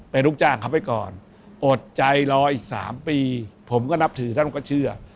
เป็นลูกจ้างเขาไปก่อนอดใจรออีก๓ปีผมก็นับถือท่านก็เชื่อ